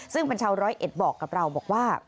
ซึ่งเป็นชาวร้อยเอ็ดบอกกับเราบอกว่า